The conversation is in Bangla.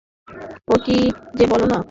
ও, কী যে বলো না।